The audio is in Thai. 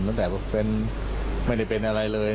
ตั้งแต่ไม่ได้เป็นอะไรเลย